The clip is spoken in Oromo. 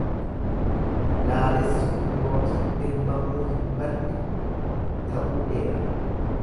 Laalessuu ykn dirmammuu hin banne ta'uu eera.